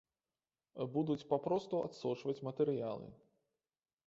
Будуць папросту адсочваць матэрыялы.